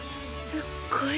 すっごい